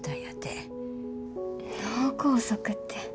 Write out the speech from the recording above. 脳梗塞て。